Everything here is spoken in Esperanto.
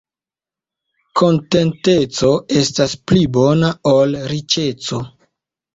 Kontenteco estas pli bona ol riĉeco.